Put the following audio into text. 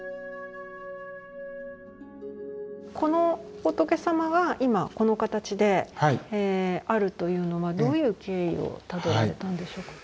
この仏様は今この形であるというのはどういう経緯をたどったんでしょうか。